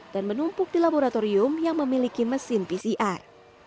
dan menumpuk di laboratorium yang memiliki mesin pcr